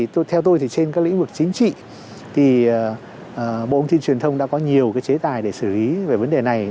theo tôi thì trên các lĩnh vực chính trị thì bộ thông tin truyền thông đã có nhiều chế tài để xử lý về vấn đề này